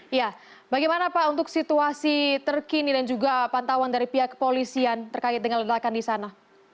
ya bagaimana pak untuk situasi terkini dan juga pantauan dari pihak kepolisian terkait dengan ledakan di sana